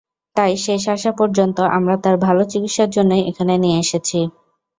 তাই শেষ আশা পর্যন্ত আমরা তার ভালো চিকিৎসার জন্যই এখানে নিয়ে এসেছি।